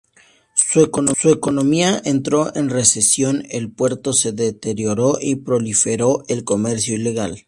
Su economía entró en recesión, el puerto se deterioró, y proliferó el comercio ilegal.